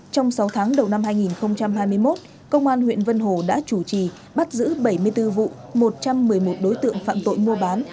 trong sáu tháng đầu năm hai nghìn hai mươi một công an huyện vân hồ đã chủ trì bắt giữ bảy mươi bốn vụ một trăm một mươi một đối tượng phạm tội mua bán